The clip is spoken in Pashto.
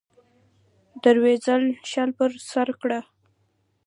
دوریځو شال پر سرکړه